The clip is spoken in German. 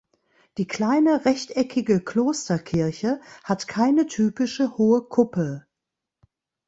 Die kleine rechteckige Klosterkirche hat keine typische hohe Kuppel.